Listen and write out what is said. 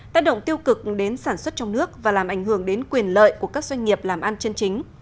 tác động tiêu cực đến sản xuất trong nước và làm ảnh hưởng đến quyền lợi của các doanh nghiệp làm ăn chân chính